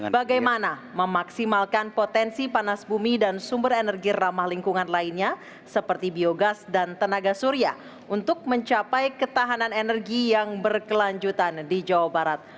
bagaimana memaksimalkan potensi panas bumi dan sumber energi ramah lingkungan lainnya seperti biogas dan tenaga surya untuk mencapai ketahanan energi yang berkelanjutan di jawa barat